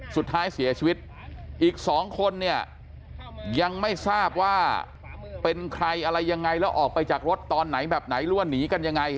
สุดท้ายเสียชีวิตอีก๒คนเนี่ยยังไม่ทราบว่าเป็นใครอะไรยังไงแล้วออกไปจากรถตอนไหนแบบไหนหรือว่าหนีกันยังไง